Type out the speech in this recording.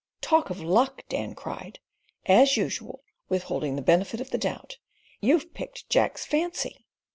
"Talk of luck!" Dan cried, as usual withholding the benefit of the doubt. "You've picked Jack's fancy."